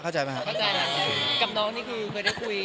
กับน้องนี่คือเคยได้คุยกันบ้างไหมครับ